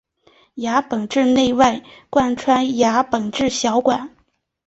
牙本质内外贯穿牙本质小管。